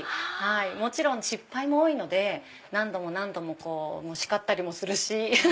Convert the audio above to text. もちろん失敗も多いので何度も何度も叱ったりもするし。